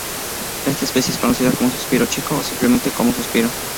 Esta especie es conocida como 'Suspiro chico' o simplemente como 'Suspiro'.